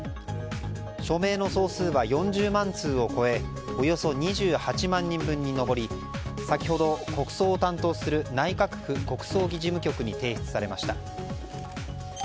署名の総数は４０万通を超えおよそ２８万人分に上り先ほど国葬を担当する内閣府国葬儀事務局に提出されました。